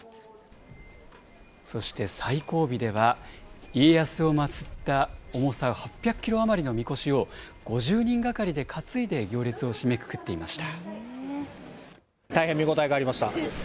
そして最後尾では、家康を祭った重さ８００キロ余りのみこしを、５０人がかりで担いで行列を締めくくっていました。